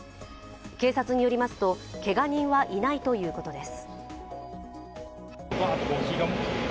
警察によりますと、けが人はいないということです。